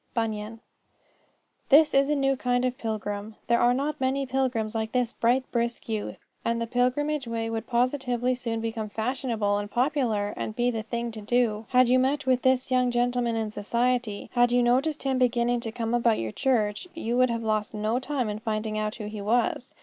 Bunyan. This is a new kind of pilgrim. There are not many pilgrims like this bright brisk youth. A few more young gentlemen like this, and the pilgrimage way would positively soon become fashionable and popular, and be the thing to do. Had you met with this young gentleman in society, had you noticed him beginning to come about your church, you would have lost no time in finding out who he was.